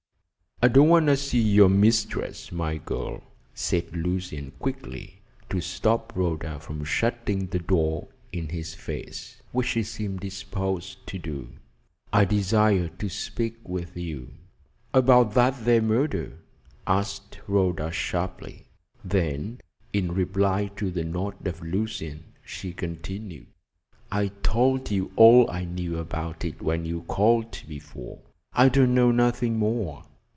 "I don't want to see your mistress, my girl," said Lucian quickly, to stop Rhoda from shutting the door in his face, which she seemed disposed to do. "I desire to speak with you." "About that there murder?" asked Rhoda sharply. Then in reply to the nod of Lucian she continued: "I told you all I knew about it when you called before. I don't know nothing more."